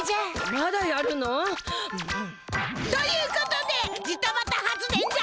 まだやるの？ということでジタバタ発電じゃ！